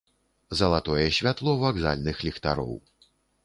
Залатое святло вакзальных ліхтароў.